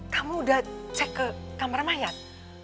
kamu udah cek ke kamar mayat